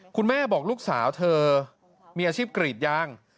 คุณแม่บอกลูกสาวเธอมีอาชีพกรีดยาง